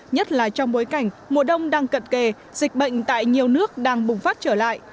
nhất là trong bối cảnh mùa đông đang cận kề dịch bệnh tại nhiều nước đang bùng phát trở lại